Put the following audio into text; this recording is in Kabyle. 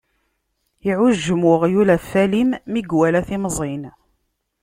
Iɛujjem uɣyul ɣef walim, mi iwala timẓin.